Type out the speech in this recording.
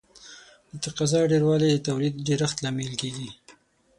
د تقاضا ډېروالی د تولید د ډېرښت لامل کیږي.